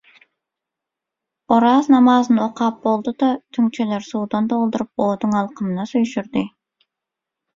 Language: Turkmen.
Oraz namazyny okap boldy-da tüňçeleri suwdan dolduryp oduň alkymyna süýşürdi.